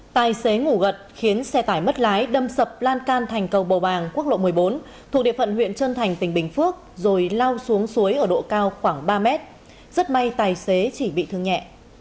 tài xế ngủ gật khiến xe tải mất lái đâm sập lan can thành cầu bầu bàng quốc lộ một mươi bốn thuộc địa phận huyện trơn thành tỉnh bình phước rồi lao xuống suối ở độ cao khoảng ba mét rất may tài xế chỉ bị thương nhẹ